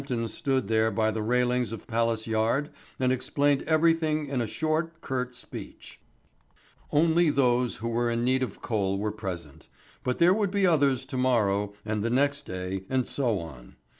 [Illustration: Hampden stood there by the railings of Palace Yard and explained everything in a short, curt speech.] Only those who were in need of coal were present. But there would be others to morrow and the next day and so on.